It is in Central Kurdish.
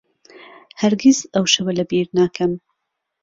هەرگیز ئەو شەوە لەبیر ناکەم.